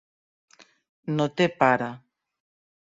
No té pare.